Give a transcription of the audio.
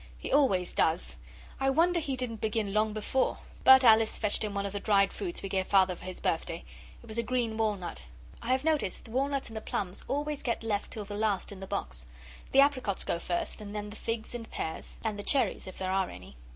He always does. I wonder he didn't begin long before but Alice fetched him one of the dried fruits we gave Father for his birthday. It was a green walnut. I have noticed the walnuts and the plums always get left till the last in the box; the apricots go first, and then the figs and pears; and the cherries, if there are any.